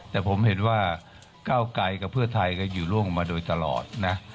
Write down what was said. แต่ผมเห็นว่าก้าวไกลกับเพื่อไทยก็อยู่ร่วมมาโดยตลอดนะ